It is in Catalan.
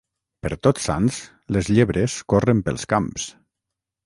Per Tots Sants les llebres corren pels camps.